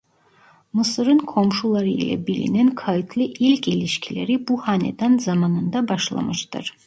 Mısır'ın komşuları ile bilinen kayıtlı ilk ilişkileri bu hanedan zamanında başlamıştır.